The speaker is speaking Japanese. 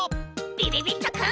びびびっとくん。